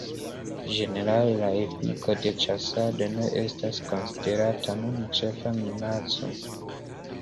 Ĝenerale la efiko de ĉasado ne estas konsiderata nun ĉefa minaco.